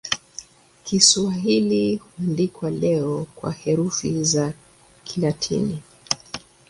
Kiswahili huandikwa leo kwa herufi za Kilatini.